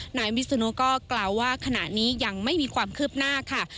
นายวิศนุก็กล่าวว่าขณะนี้ยังไม่มีความคืบหน้าค่ะ